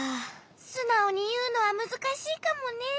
すなおにいうのはむずかしいかもね。